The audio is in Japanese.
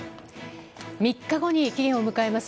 ３日後に期限を迎えます